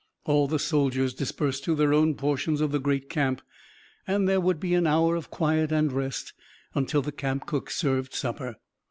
All the soldiers dispersed to their own portions of the great camp, and there would be an hour of quiet and rest, until the camp cooks served supper.